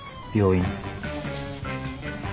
病院。